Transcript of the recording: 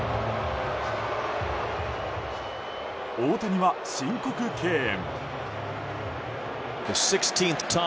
大谷は申告敬遠。